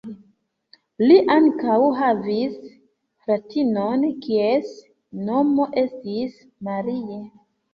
Li ankaŭ havis fratinon kies nomo estis Marie.